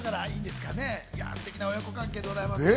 すてきな親子関係でございます。